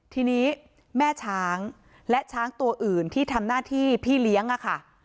ทีนี้แม่ช้างและช้างตัวอื่นที่ทำหน้าที่พี่เลี้ยงอะค่ะ